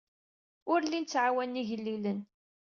Ur llin ttɛawanen igellilen.